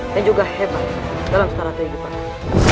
dan juga hebat dalam strategi batal